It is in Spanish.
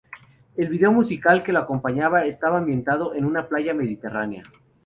El video musical que lo acompañaba estaba ambientado en una playa mediterránea.